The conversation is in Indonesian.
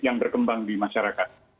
yang berkembang di masyarakat